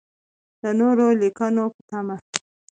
د نورو لیکنو په تمه.